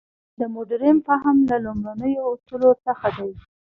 د مډرن فهم له لومړنیو اصولو څخه دی.